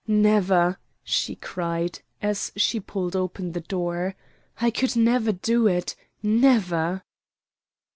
"Never!" she cried, as she pulled open the door; "I could never do it never!"